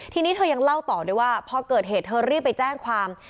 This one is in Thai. ทีนี้เธอยังเล่าต่อด้วยว่าพอเกิดเหตุเธอรีบไปแจ้งความ